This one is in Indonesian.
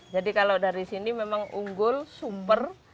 jadi kalau dari sini memang unggul sumper